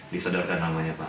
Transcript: disodarkan namanya pak